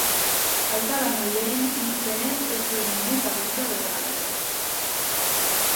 Aita baino lehenago hil zenez ez zuen inoiz agintea bereganatu.